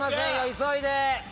急いで。